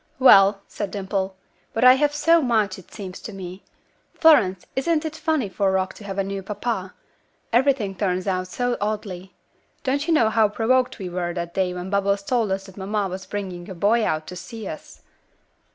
"Well," said Dimple. "But I have so much, it seems to me. Florence, isn't it funny for Rock to have a new papa? Everything turns out so oddly. Don't you know how provoked we were that day when Bubbles told us that mamma was bringing a boy out to see us?"